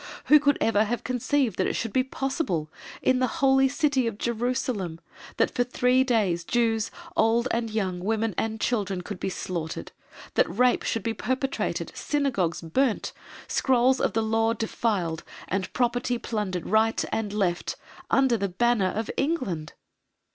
Who could ever have conceived that it should be possible, in the Holy City of Jerusalem, that for three days Jews, old and young, women and children could be slaughtered; that rape should be perpetrated, Synagogues burnt, scrolls of the Law defiled, and property plundered right and left, under the banner of England!